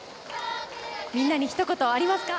みんなにひと言、ありますか？